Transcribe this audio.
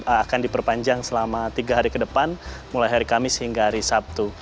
akan diperpanjang selama tiga hari ke depan mulai hari kamis hingga hari sabtu